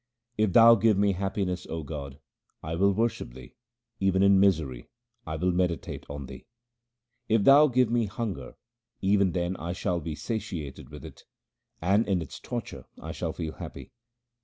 If Thou give me happiness, O God, I will worship Thee ; even in misery I will meditate on Thee. If Thou give me hunger even then I shall be satiated with it ; and in its torture I shall feel happy.